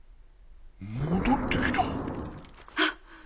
戻ってきた！